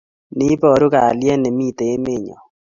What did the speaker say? N iboru kalyet ne mitei emenyo.